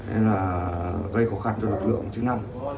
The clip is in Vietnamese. nên là gây khó khăn cho lực lượng chức năng